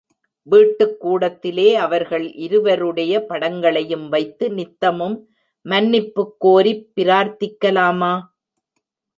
வீட்டுக் கூடத்திலே அவர்கள் இருவருடைய படங்களையும் வைத்து நித்தமும் மன்னிப்புக் கோரிப் பிரார்த்திக்கலாமா?